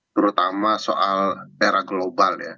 terutama soal era global ya